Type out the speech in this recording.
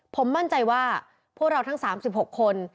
ผมมั่นใจว่าพวกเราทั้งสามสิบหกคน